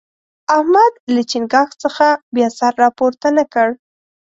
احمد له چينګاښ څخه بیا سر راپورته نه کړ.